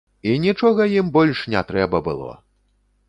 І нічога ім больш не трэба было!